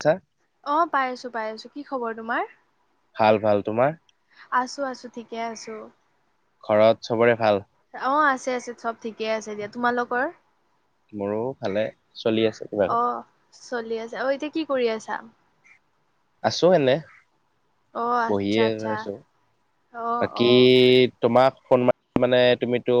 তা অ পাই আছো পাই আছো কি খবৰ তোমাৰ ভাল ভাল তোমাৰ আছো আছো ঠিকে আছো ঘৰত চবৰে ভাল অ আছে আছে চব ঠিকে আছে তোমালোকৰ মোৰো ভালে চলি আছে কিবা এটা অ চলি আছে আও এতিয়া কি কৰি আছা আছো এনে অ আচ্ছা বহিয়ে আচ্ছা আছো অ বাকী অ তোমাক ফোন মা মানে তুমিতো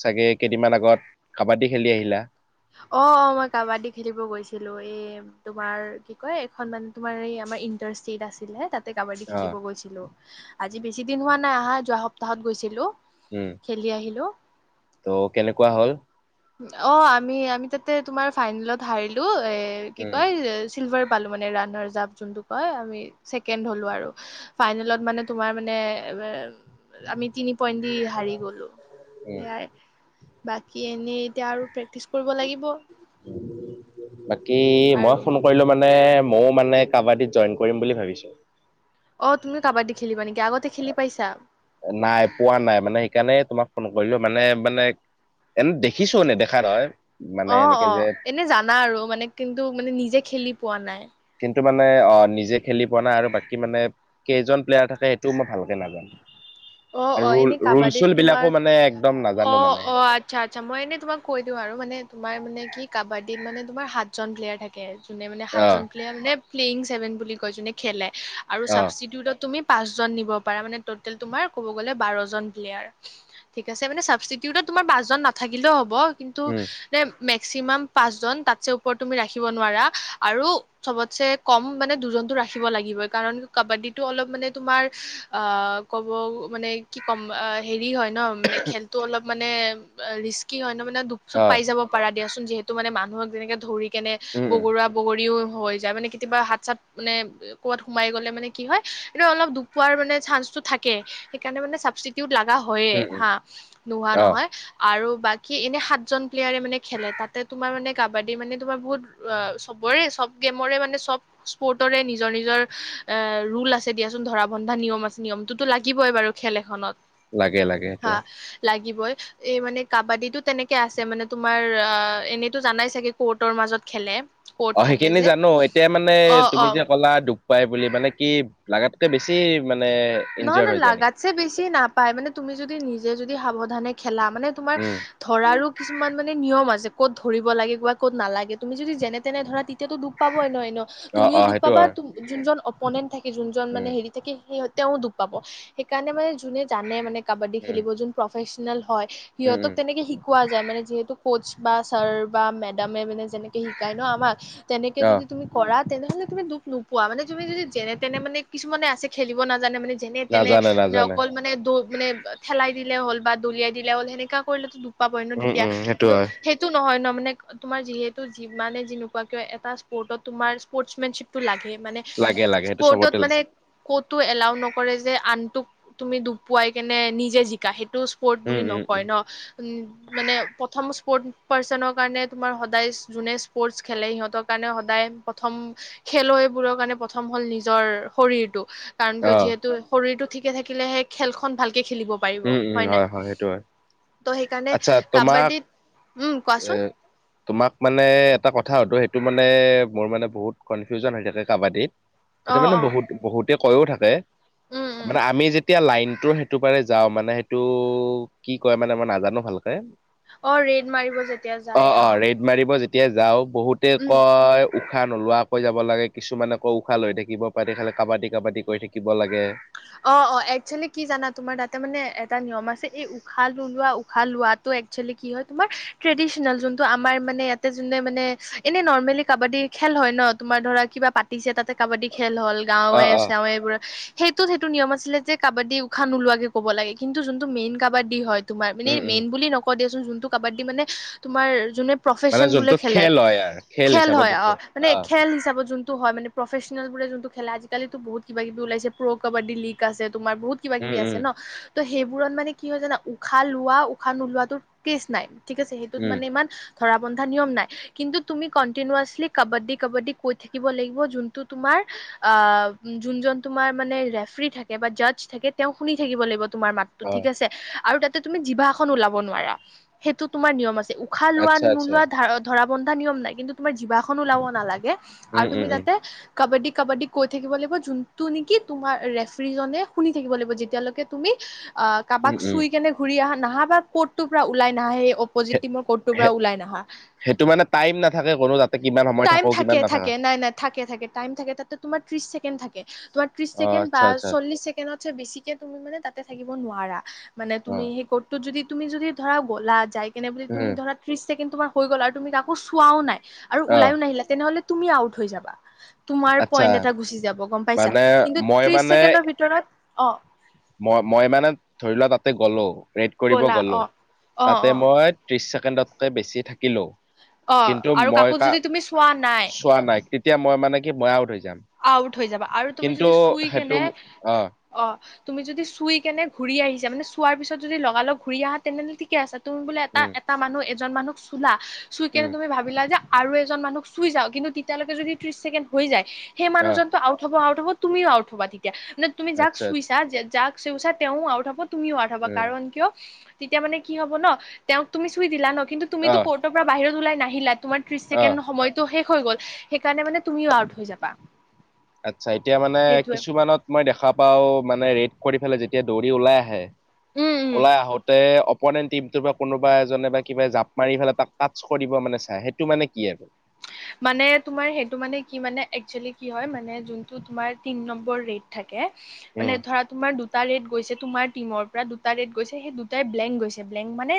ছাগে কেইদিনমান আগত কাবাডী খেলি আহিলা অ অ মই কাবাডী খেলিব গৈছিলো এই তোমাৰ কি কয় এইখন মানে তোমাৰ এই আমাৰ ইণ্টাৰ ষ্টেট আছিলে তাত তাতে কাবাডী অ খেলিব গৈছিলো আজি বেছি দিন হোৱা নাই আহা যোৱা সপ্তাহত গৈছিলো উম খেলি আহিলো ত' কেনেকুৱা হ'ল অ আমি আমি তাতে তোমাৰ ফাইনেলত হাৰিলো এ কি উম কয় চিলভাৰ পালো মানে ৰান যোনটো কয় আমি ছেকেণ্ড হ'লোঁ আৰু ফাইনেলত মানে তোমাৰ মানে আমি তিনি পইণ্ট দি হাৰি গলো উম সেয়াই বাকী নিত এতিয়া আৰু প্ৰেক্টিচ কৰিব লাগিব বাকী মই আৰু ফোন কৰিলো মানে মও মানে কাবাডীত জয়েন কৰিম বুলি ভাবিছোঁ অ তুমি কাবাডী খেলিবা নেকি আগতে খেলি পাইছা নাই পোৱা নাই মানে সেইকাৰণে তোমাক ফোন কৰিলো মানে মানে এনে দেখিছো নেদেখা নহয় মানে অ এনেকে অ যে এনে জানা আৰু মানে কিন্তু মানে নিজে খেলি পোৱা নাই কিন্তু মানে অ নিজে খেলি পোৱা নাই আৰু বাকী মানে কেইজন প্লেয়াৰ থাকে সেইটোও মই ভালকে নাজানো। অ আৰু অ ৰুল এনে ৰুল কাবাডীত চুল তোমাৰ বিলাকো মানে একদম অ নাজানো মানে অ আচ্ছা আচ্ছা মই এনে তোমাক কৈ দিওঁ আৰু মানে তোমাৰ মানে কি কাবাডীত মানে তোমাৰ সাতজন প্লেয়াৰ থাকে। যোনে মানে অ সাতজন প্লেয়াৰ মান প্লেং চছেভেন বুলি কয় যোনে খেলে আৰু অ ছাবিউটত তুমি পাঁচজন নিব পাৰা মানে ট'টেল তোমাৰ ক'ব গ'লে বাৰজন প্লেয়াৰ ঠিক আছে মানে চাবিিউটত তোমাৰ পাচজন নাথাকিলেও হ'ব। কিন্তু উম নে মেক্সিমাম পাঁচজন তাতছে ওপৰত তুমি ৰাখিব নোৱাৰা আৰু চবতছে কম মানে দুজনটো ৰাখিব লাগিব কাৰণ কাবা্ডীটো অলপ মানে তোমাৰ অ কব। মানে কি কম হেৰি হেৰি হয় ন মানে খেলতো অলপ মানে ৰিস্কি হয় ন মানে। দুখ চুপ অ পাই যাব পাৰে দিয় চোন যিহেতু মে মানুহক যেনেকে ধৰি কেনে উম উম বগৰা বগৰীও হৈ যায় মানে কেতিয়াবা হাত চাত মানে ক'বাত সোমাই গ'লে মানে কি হয় এই অলপ দুখ পোৱাৰ মানে চান্সটো থাকে সেইকাৰণে মে হয়য়ে উম উম হা নোহোৱা অ নহয় আৰু বাকি এনে সাতজন প্লেয়াৰে মানে খেলে তাতে তোমাৰ মানে কাবাডী মানে তোমাৰ বহুত চবৰে চব গেমৰে মানে চব স্পৰ্টৰে নিজৰ নিজৰ ৰৰুল আছে দিয়াচোন ধৰা বন্ধা নিয়ম আছে নিয়মটো লাগিব। শিকিবই বাৰু খেল এখনত লাগে লাগে সেইটো লিব এই মানে কাবাডীটো তেনেকে আছে মানে তোমাৰ এনেতো জানাই চাগে কটৰ মাজত খেলে কৰ্ট অ থাকে সেইখিনি যে জানো এতিয়া মানে অ তুমি অ যে কলা পাই বুলি মানে কি লাগাতকে বেছি মানে নহয় ইনজিয়ৰ ন হৈ যায় নেকি লাগাছে বছি নাপ পাই মানে তুমি যদি নিজে যদি সাৱধানে খেলে খেলা মানে তোমাৰ উম ধৰাৰো কিছুমান মানে নিয়ম আছে। ক'ত ধৰিব লাগে কোৱা ক'ত নালাগে তুমি যদি যেনে তেনে ধৰা তেতিয়াতো দু পাবই ন এইটো অ তুমিও অ দুখ সেইটো পাবা হয় যোন মনে থাকে যোনজন মানে উম হেৰি থাকে সেই তেওঁ দুখ পাব সেইকাৰণে মানে যোনে জানে মানে কবাদি উম খেলিব [unintelligible] প্ৰফেচনেল হয়। উম সিহঁতক উম তেনেকে শিকোৱা যায় মানে যিহেতু কোচ বা ছাৰ বা মেডামে মানে যেনেকে শিকায় ন আমাক তেনেকে অ যদি তুমি কৰা তেনেহলে তুমি দুখ নু পোৱা মানে তুমি যদি যেনে তেনে মানে কিছুমানে আছে খেলি নাজানে মানে যেনে তেনে নাজানে ন নাজানে অকল মানে দৌ মানে খেলাই দিলে হ'ল বা দলিয়াই দিলে হল সেনেকা কৰিলেটো দু পাবই ন উম তেতিয়া উম সেইটো কিন্তু হয় সেইটো নহয় ন মানে তোমাৰ যিহেতু যিমানে যি নোকোৱা কিয় এটা স্পৰ্টছত তোমাৰ স্পৰ্ত মেনচিপটো লাগে। মানে লাগে লাগে সেইটো স্পৰ্টত চবতে মানে লাগে কত টো এলাও নকৰে যে, আনটোক তুমি দুখপুৱাই কেনে তুমি নিজে জিকা। সেইটো স্পৰ্ট উম বুলি উম উম নকয় ন উ মানে প্ৰথম স্পৰ্ট পাৰ্চনৰ কাৰণে তোমাৰ সদায় যোনে স্পৰ্টচ খেলে, সিহঁতৰ কাৰণে সদায় প্ৰথম খেলুৱৈবোৰৰ কাৰণে প্ৰথম হ'ল নিজৰ শৰীৰটো। কাৰণ কিয় অ যিহেতু শৰীৰটো ঠিকে থাকিলে সেই খেলখন ভাল উম উম হয় হয় সেইটো হয়। ত' সেইকাৰণে আচ্ছা তোমাক কাবাডীত উম এ কোৱাচোন তোমাক মানে এটা কথা [unintelligible] টো মানে মোৰ মানে বহুত কনফিউজন হৈ থাকে কাবাডীত। সেইটো অ মানে অ বহুত বহুত। তে কয়ো থাকে। উম উম মানে আমি যে এতিয়া লাইনটো সেইটো পাৰে যাওঁ মানে সেইটো কি কয় মানে মই নাজানো ভালকে। অ ৰেড মাৰিব যেতিয়া যায় অ। তেতিয়া যাওঁক। বহুতে উম কয় উশাহ নোলোৱাকৈ যাব লাগে কিছুমানে আকৌ উশাহ লৈ থাকিব পাৰে তে খালে কাবাডী কাবাডী কৰি থাকিব লাগে। অ অ এক্চুৱেলি কি জানা তোমাৰ এটা মানে এটা নিয়ম আছে এই, উশাহ নোলোৱা উশাহ লোৱাটো একচুৱেলি কি হয় তোমাৰ ট্ৰেডিচনেল, যোনটো আমাৰ মানে ইয়াতে যোনে মানে এনে নৰ্মেলি কাবাডী খেল হয় ন, তোমাৰ ধৰা কিবা পাতিছে তাতে কাবাডী খেল হ'ল গাঁৱে অ', অ', চৱে পুৰা ত সেইটো নিয়ম আছিলে যে, কাবাডী উশাহ নোলোৱাকে ক'ব লাগে। কিন্তু যোনটো মেইন কাবাডী হয় তোমাৰ মানে উম, উম, মেইন বুলি নকওঁ দে। জোনটো কাবাডী মানে তোমাৰ মানে প্ৰফেচন বোৰে যোনটো খেলে খেল হয় আৰ খেল হিচাপত হয় যোনটো মানে অ', খেল হিচাপত জোনটো হয় মানে। প্ৰফেচনেলো যোনটো খেলে আজিকালিতো বহুত কিবা কিবি ওলাইছে। প্ৰ' কাবা্ডী লীগ আছে। তোমাৰ বহুত কিবা উম, কিবি উম, আছে ন। ত সেইবোৰত মানে কি হয় জানা উশাহ লোৱা উশাহ নোলোৱাাতো কেচ নাই। ঠিক আছে সেইটোত উম, মানে ইমান ধৰা বন্ধা নিয়ম নাই কিন্তু তুমি কন্টিনুৱাচলি কাবাড্ডী কাবাড্ডী কৈ থাকিব লাগিব যোনটো তোমাৰ যোনজন তোমাৰ মানে ৰেফৰি থাকে বা জাজ থাকে তেওঁ শুনি থাকিব লাগিব। তোমাৰ মাতটো ঠিক অ', আছে আৰু তাত তুমি জিভা এখন ওলাব নোৱাৰা সেইটো তোমাৰ নিয়ম আছে। উশাহ লোৱা আচ্ছা, আচ্ছা। নোলোৱা ধ ধৰা। বন্ধা নিয়ম নাই কিন্তু তোমাৰ জিভাখন ওলাব নালাগে। উম, আৰু তুমি উম, উম, যাতে কাবা্ডি কাবা্ডী কৈ থাকিব লাগিব যোনটো নেকি। তোমাৰ ৰেফ্ৰি জনে শুনি থাকিব লাগিব যেতিয়ালকে তুমি অ উম, কাবাক উম, চুই কেনে ঘুৰি আহা। নাহাব বাা ক'ত তটো পৰা ওলাই নাহে সেইটো মানে টাইম নাথাকে কোনো যাতে কা টাইম থাকে থাকে নাই নাই থাকে থাকে টাইম থাকে তাতে তোমাৰ ত্ৰিশ ছেকেণ্ড থাকে। তোমাৰ ত্ৰিশ অ', ছেকেণ্ড বা আচ্ছা, আচ্ছা চল্লিশ ছেকেণ্ডত বেছিকে তুমি মে তাতে থাকিব নোৱাৰা। মানে তুমি অ', সেই ক'তটো যদি তুমি যদি ধৰা গ'লা যায়। কেনে বুলি তুমি উম, ধৰা ত্ৰিছ কিন্তু তোমাৰ হৈ গ'ল আৰু তুমি কাকো চোৱাও নাই। আৰু অ', ওলাইও নাহিলে তেনেহ'লে তুমি আউট হৈ যাবা। তোমাৰ আচ্ছা পইণ্ট এটা গুচি যাব গম পাইছা মানে কিন্তু মই ত্ৰিশ মানে ছেকেণ্ডৰ ভিতৰত অঁ মই মই মানে ধৰি লোৱা তাতে গ'লো। ৰেড কৰিব গ'লা গ'লো অ অ তাতে অ মই ত্ৰিছ কেন্দ্ৰতকৈ বেছিয়ে থাকে কিলো, অ কিন্তু আৰু মই কাকো কা যদি তুমি চোৱা নাই চোৱা নাই, তেতিয়া মই মানে কি মই আউট হৈ যাম? আউত হৈ যাবা, আৰু তুমি কিন্তু যদি চুই সেইটো কেনে, অ তুমি যদি চু চুই কেনে ঘূৰি আহিছে, মানে চোৱাৰ পিছত যদি লগা লগ ঘূৰি আহা তেনেহ'লে ঠিকে আছে। তুমি বোলে এটা, উম, এটা মানুহ। এজন মানুহক চোলা চুই কেনে উম, তুমি ভাবিলা যে আৰু এজন মানুহ চুই যাৱ, কিন্তু তেতিয়ালৈকে যদি ত্ৰিশ ছেকেণ্ড হৈ যায় সেই অ', মানুহজনটো আউট হব আউট। লগত তুমিও আউট হবা তেতিয়া। মানে তুমি যাক আচ্ছা আচ্ছা, চুইছা, যে যাক তেওঁ আউট হব। তুমিও আউট হবা, উম, কাৰণ কিয় তেতিয়া মানে কি হব ন, তেওঁক তুমি চুই দিলা ন। কিন্তু তুমি টো অ', কৰ্ট ৰ পৰা বাহিৰত ওলাই নাহিলা তোমাৰ ত্ৰি অ'। ছেকেণ্ড সময়টোহে হৈ গ'ল, সেইকাৰণে মানে তুমিও আউট হৈ যাবা। আচছা, এতিয়া মানে সেইটোৱে কিছুমানত মই দেখা পাও মানে ৰেট কৰি পেলাই যেতিয়া দৌৰি ওলাই আহে। উম উম ওলাই আহোতে অপনেন্ত টীম টোপা কোনোবা এজনে বা কিবা জাপ মাৰি পেলাই তাক টাচ কৰিব মানে চাই, সেইটো মানে কি আৰু? মানে তোমাৰ সেইটো মানে কি মানে, একচুৱেলি কি হয় মানে যোনটো তোমাৰ তিন নম্বৰ ৰেট থাকে কে, মানে উম ধৰা তোমাৰ দু দুটা ৰেট গৈছে তোমাৰ টিমৰ পৰা দুটা ৰেট গৈছে, সেই দুটাই ব্লেংক গৈছে, ব্লেংক মানে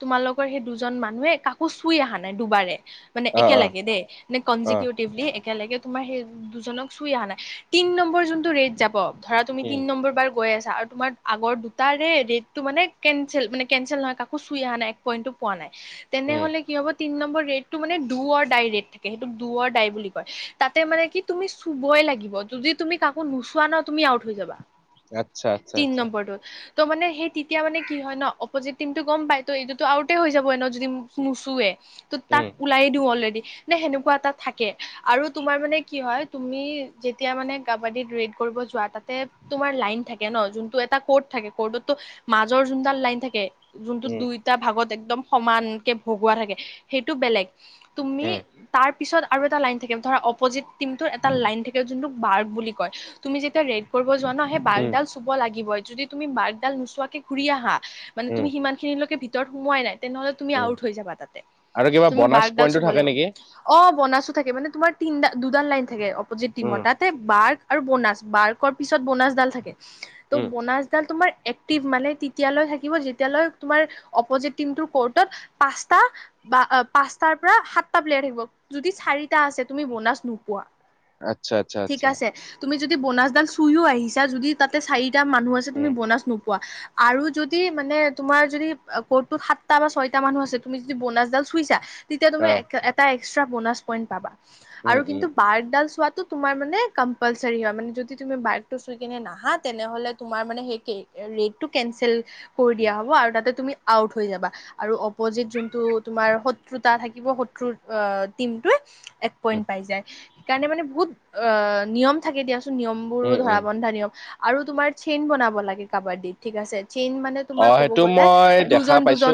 তোমালোকৰ সেই দুজন মানুহে কাকো চুই আহা নাই দুবাৰে। মানে অ অ একেলাগে কে দেই, নে অ কনজিকিউটিভলি একেলেগে তোমাৰ সেই দুজনক চুই অহা নাই, তিন নম্বৰ যোনটো ৰেট যাব ধৰা তুমি তিন উম নম্বৰ বাৰ গৈ আছা আৰু তোমাৰ আগৰ দুটাৰে ৰেটটো মানে কেনচেল, মানে কেনচেল নহয় কাকো চুই আহা নাই, এক পইণ্টটো পোৱা নাই উম তেনেহলে কি হ'ব তিন নম্বৰ ৰেটটো মানে দু অৰ্ দাই ই ৰেত থাকে। সেটো দু ৰ দাই বুলি কয়। তাতে মানে কি তুমি চুবই লাগিব, যদি তুমি কাকো নোচোৱা ন তুমি আউট হৈ যাবা। আচ্ছা, আচ্ছা, তিন আচ্ছা। নম্বৰটোত ত' মানে সেই তেতিয়া মানে কি হয় ন', অপজিত টিমটো গম পায়, ত' এইটোতো আউটে হৈ যাবই ন' যদি নোচোৱে। ত' তাক উম ওলাই দিওঁ অলৰেডি। মানে সেনেকুৱা এটা থাকে। আৰু তোমাৰ মানে কি হয়, তুমি যেতিয়া মানে কাবাডীত ৰেড কৰিব যোৱা, তাতে তোমাৰ লাইন থাকে ন? যোনটো এটা কৰ্ট থাকে, কৰ্টতো মাজৰ যোনডাল লাইন থাকে। যোনটো উম দুইটা ভাগত এক একদম সমানকে ভগোৱা থাকে। সেইটো বেলেগ। তুমি উম তাৰ পিছত আৰু এটা লাইন থাকে। ধৰা অপজিট টিমটোৰ এটা লাইন থাকে, যোনটোক বাৰ্গ বুলি কয়। তুমি যেতিয়া ৰেড যোৱা ন' সেই উম বাৰ্গডাল চুব লাগিব। যদি তুমি বাৰ্গডাল নোচোৱাকে ঘূৰি আহা মানে উম তুমি সিমানখিনিলৈকে ভিতৰত সোমোৱাই নাই। তেনেহ'লে তুমি উম আউট হৈ যাবা তাতে। আৰু কিবা তুমি বনাছ বাৰ্গডাল পইণ্টটো চুব থাকে লাগিব। নেকি অ' বনাছো থাকে। মানে তোমাৰ তিনডাল, দুডাল লাইন থাকে। যে উম টিমত তাতে বাৰ্গ আৰু বিনা, বাৰ্গৰ পিছত বনাছডাল থাকে। ত' উম বনাছডাল তোমাৰ এক্টটিভ মানে তেতিয়ালৈ থাকিব। যেতিয়ালৈ তোমাৰ অপজিত টিমটোৰ কৰ্টত পাঁচটা বা পাঁচটাৰ পৰা সাত টা প্লেয়াৰ থাকিব। যদি চাৰিটা আছে, তুমি বনাচ নোপোৱা। আচ্ছা আচ্ছা ঠিক আচ্ছা আছে। তুমি যদি বনাছডাল চুইও আহিছা। যদি তাতে চাই টা মানুহ আছে, তুমি উম বনাচ নোপোৱা। আৰু যদি মানে তোমাৰ যদি কৰ্টটোত সাতটা বা ছয়টা মানুহ আছে, তুমি যদি বনাছডাল চুইছা তেতিয়া তুমি অ এটা এক্সট্ৰা বনাছ পইণ্ট পাবা। উম আৰু উম কিন্তু বাৰ্গডাল চোৱাত তোমাৰ মানে কম্পালচাৰি হয় মানে, যদি তুমি বাৰ্গটো চুই কেনে নাহা তেনেহ'লে, তোমাৰ মানে সেই ৰেটটো কেনচেল কৰি উম দিয়া হ'ব, আৰু তাতে তুমি আউট হৈ যাবা। আৰু অপজিত যোনটো তোমাৰ শত্ৰুতা থাকিব টীমটোৱে এক পইণ্ট উম পাই যায়। সেইকাৰণে মানে বহুত নিয়ম থাকে দিয়াচোন। নিয়মবোৰো উম ধৰা উম। বন্ধা নিয়ম। আৰু তোমাৰ চেইন বনাব লাগে কাবাডীত, ঠিক আছে। চেইন মানে অ তোমাৰ কব সেইটো গ'লে মই দেখা দুজন, পাইছো দুজন,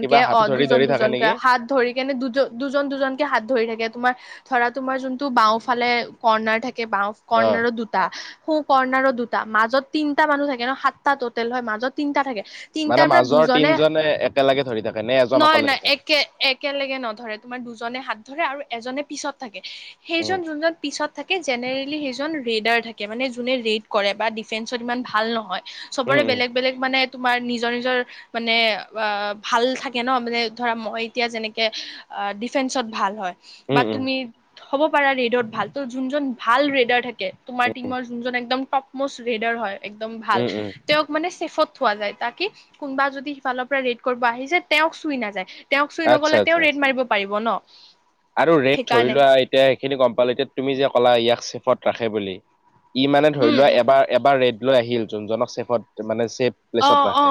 কিবা হাত অ' ধৰি দুজন, ধৰি থাকে দুজনকে নেকি হাত ধৰি কেনে দুজন দুজন দুজনকে হাত ধৰি থাকে, তোমাৰ, ধৰা তোমাৰ যোনটো বাওঁফালে কৰ্ণাৰ থাক এ, বাওঁ অ কৰ্ণাৰো দুটা সোঁ কৰ্ণাৰত দুটা, মাজত তিনটা মানুহ থাকে ন' সাতটা টোটেল হয়। মাজত তিনটা থাকে । মানে, মাজৰ তিনজনে একেলগে ধৰি থাকে নে এজন নহয় অকলে নহয় থাকে? একে একেলগে নধৰে তোমাৰ দুজনে হাত ধৰে আৰু এজনে পিছত থাকে । উম সেইজন, যোনজন পিছত থাক এই জেনেৰেলি সেইজন ৰেডাৰ থাকে, মানে যোনে ৰেড কৰে বা ডিফেন্সত ইমান ভাল নহয় । উম চবৰে উম বেলেগ বেলেগ মানে তোমাৰ নিজৰ নিজৰ মানে আ ভাল থাকে ন' মানে ধৰা মই এতিয়া যেনেকে আ ডিফেন্সত ভাল হ'য়। উম বা উম তুমি হ'ব পাৰা ৰেইডত ভাল, ত যোনজন ভাল ৰেইডাৰ থাকে, তোমাৰ টিমৰ যোনজন একদম টপমষ্ট ৰেইডাৰ হ'য় একদম ভাল উম উম তেওঁক মানে চেফত থোৱা যায়। তাকে কোনোবা যদি সিফালৰ পৰা ৰেইড কৰিব আহিছে তেওঁক চুই নাযায়। তেওঁক চুই আচ্ছা নগলে তেওঁ আচ্ছা ৰেইড মাৰিব বন। আৰু ৰেড ধৰি লোৱা এতিয়া সেইখিনি গ'ম পালো এতিয়া তুমি যে ক'লা ইয়াক চেফত ৰাখে বুলি। ই মানে ধৰি উম লোৱা এবা এবাৰ ৰেড লৈ আহিল যোনজনক চেফত যিমানে অ টেপ্লেছত অ ৰাখে,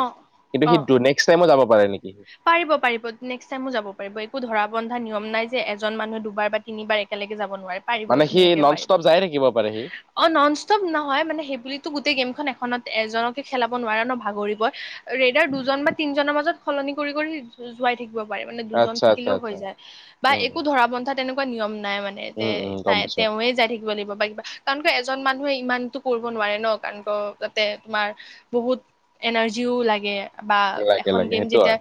কিন্তু অ সি দু নেক্স টাইমো যাব পাৰে নেকি পাৰিব পাৰিব নেক্স টাইমো যাব পাৰিব একো ধৰা বন্ধা নিয়ম নাই যে এজন মানুহ দুবাৰ বা তিনিবাৰ একেলগে যাব ব নোৱাৰে পাৰিব, মানে সি ধুনীয়াকে নন পাৰিব। ষ্টপ যাই থাকিব পাৰে সি অঁ ননষ্টপ নহ'য় মানে সেইবুলিটো গোটেই গেমখন এ খনত এজনকে খেলাব নোৱাৰে ন ভাগৰিব। ৰেইডাৰ দুজন বা তিনজনৰ মাজত সলনি কৰি কৰি জো জোৱাই থাকি ব পাৰে মানে, দুজন আচ্ছা আচ্ছা থাকিলেও হৈ আচ্ছা যায় বা উম একো ধৰা বন্ধাত তেনেকুৱা নিয়ম নাই মানে যে উম উম উম গম তাই পাইছো তেওঁৱে যায় থাকিব লাগিব বা কিবা কাৰণটো এজন মানুহে ই ইমানটো কৰিব নোৱাৰে ন' কাৰণ ত তাতে তোমাৰ বহুত এনাৰ্জিও লাগে। বা লাগে এখন লাগে গেম সেইটো যেত যে হয়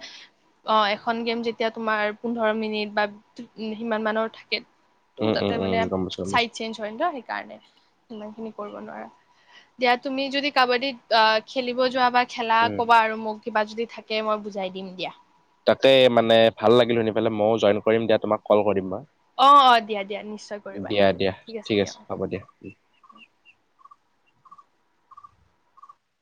অঁ এখন গেম যেতিয়া তোমাৰ পোন্ধৰ মিনিট বা সিমান মানৰ থাকে। ওঁ উম তাতে উম উম মানে গম পাইছো গম চাইড পাইছো চেঞ্জ হ'য় ন' সেইকাৰণে। হিমান খিনি কৰিব নোৱাৰা দিয়া তুমি যদি কাবাডীত অ খেলিব যোৱা বা খেলা উম ক'বা আৰু মোক। কিবা যদি থাকে মই বুজ বুজাই দিম দিয়া। তাকে মানে ভাল লাগিল শুনি পেলাই মইও জইন কৰিম দিয়া তোমাক কল কৰিম বা। অ অ দিয়া- দিয়া নিশ্চয় কৰিবা দিয়া ঠিক আছে দিয়া অ উ।